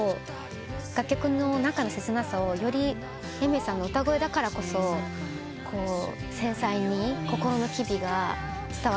楽曲の中の切なさをよりＡｉｍｅｒさんの歌声だからこそ繊細に心の機微が伝わってくる歌になっていて。